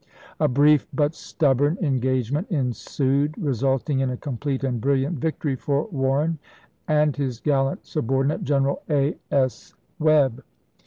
A brief but stubborn engagement ensued, resulting in a complete and brilliant victory for Warren and his gallant subordinate, General A. S. Webb.